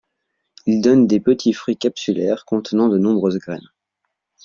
Ils donnent des petits fruits capsulaires contenant de nombreuses graines.